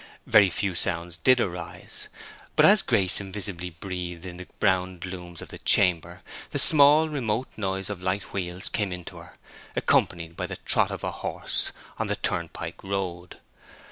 Very few sounds did arise. But as Grace invisibly breathed in the brown glooms of the chamber, the small remote noise of light wheels came in to her, accompanied by the trot of a horse on the turnpike road.